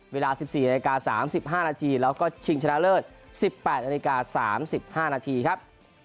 เวลา๑๔นาฬิกา๓๕นาทีแล้วก็ชิงชนะเลิศ๑๘นาฬิกา๓๕นาทีครับ